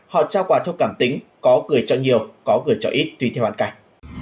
họ trao quà theo cảm tính có gửi cho nhiều có gửi cho ít tùy theo hoàn cảnh